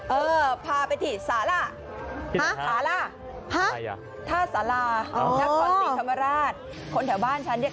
เออพาไปที่สาระห้าอะไรอ่ะท่าสาร่าอ่าเราเออคนแถวบ้านชู้ชอบ